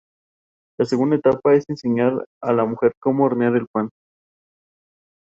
El gobierno del conde de Romanones ordenó la detención de los firmantes del Pacto.